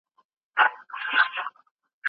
ماشوم باید له وړکتوبه ښه تربیه زده کړي.